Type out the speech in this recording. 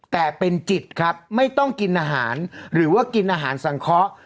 แต่เป็นจิตครับไม่ต้องกินอาหารหรือว่ากินอาหารสังเคราะห์